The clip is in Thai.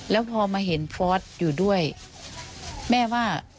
แล้วพอมาเห็นฟอร์สอยู่ด้วยแม่ว่า